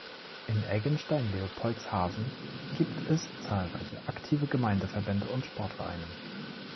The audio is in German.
In Eggenstein-Leopoldshafen gibt es zahlreiche aktive Gemeindeverbände und Sportvereine.